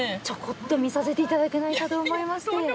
ちょこっと見させていただけないかと思いまして。